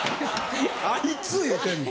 あいつ言うてんの？